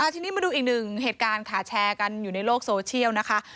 ทีนี้มาดูอีกหนึ่งเหตุการณ์ค่ะแชร์กันอยู่ในโลกโซเชียลนะคะ